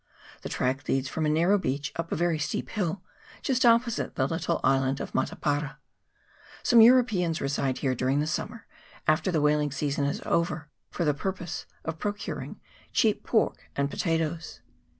The track leads from a narrow beach up a very steep hill, just opposite the little island of Matapara. Some Europeans reside here during the summer, after the whaling season is over, for the purpose of procuring cheap pork and potatoes.